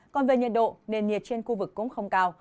còn về nhiệt độ nền nhiệt trên khu vực cũng không cao